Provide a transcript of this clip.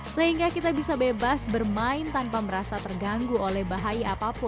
sehingga kita bisa bebas bermain tanpa merasa terganggu oleh bahaya apapun